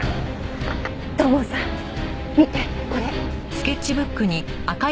土門さん見てこれ。